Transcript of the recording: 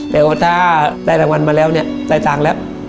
แต่ว่าถ้าได้รางวัลมาแล้วเนี่ยได้ตังค์แล้ว